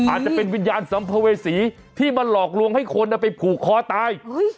อาจจะเป็นวิญญาณสัมภเวษีที่มาหลอกลวงให้คนไปผูกคอตาย